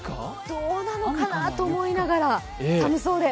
どうなのかなと思いながら、寒そうで。